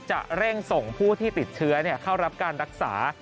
จะเร่งส่งผู้ที่ติดเชื้อเข้ารับการรักษา